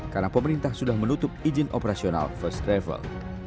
karena pemerintah sudah menutup izin operasional first travel